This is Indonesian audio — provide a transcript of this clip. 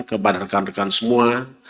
ke badan rekan rekan semua